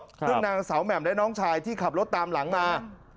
ซึ่งนางสาวแหม่มและน้องชายที่ขับรถตามหลังมา